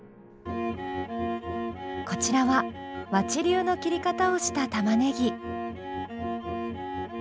こちらは和知流の切り方をした玉ねぎ。